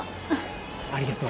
ありがとうは？